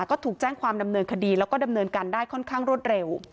ก็ถูกแจ้งความดำเนินคดีแล้วก็ดำเนินการได้ค่อนข้างรวดเร็ว